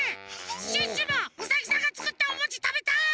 シュッシュもウサギさんがつくったおもちたべたい！